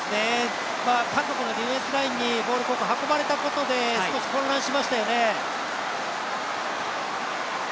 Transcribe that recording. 韓国のディフェンスラインにボールを運ばれたことで少し混乱しましたよね。